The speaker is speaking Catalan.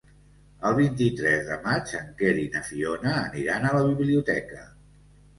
El vint-i-tres de maig en Quer i na Fiona aniran a la biblioteca.